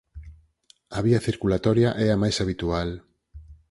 A vía circulatoria é a máis habitual.